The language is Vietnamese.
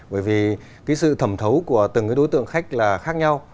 bởi vì cái sự thẩm thấu của từng cái đối tượng khách là khác nhau